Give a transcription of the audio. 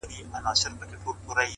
زما مور دنيا هېره ده